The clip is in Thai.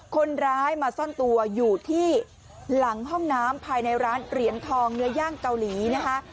คนร้ายมาซ่อนตัวอยู่ที่หลังห้องน้ำภายในร้านเหรียญทองเนื้อย่างเกาหลีนะคะ